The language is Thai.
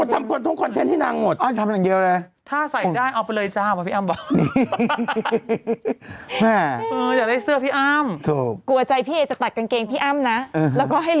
โดนป้นเงินหมดตัวเดี๋ยวนี้แอ้ฉลาดฉลาดเท่าไร